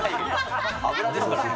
油ですから。